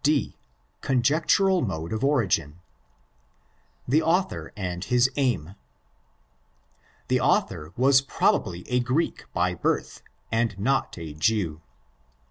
D.—Conjectural Mode of Origin. The Author and his Aim. The author was probably a Greek by birth and not 8 Jew.